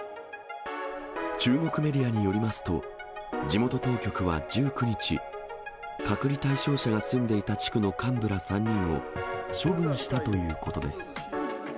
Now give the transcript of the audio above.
中国メディアによりますと、地元当局は１９日、隔離対象者が住んでいた地区の幹部ら３人を、処分したということです。